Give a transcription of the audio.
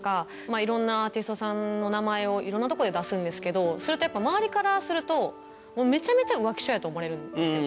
いろんなアーティストさんの名前をいろんな所で出すんですけど、それってやっぱり、周りからすると、めちゃめちゃ浮気性やと思われるんです。